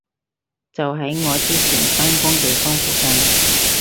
就喺我之前返工地方附近